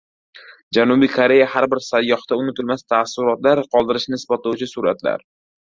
Janubiy Koreya har bir sayyohda unutilmas taassurotlar qoldirishini isbotlovchi suratlar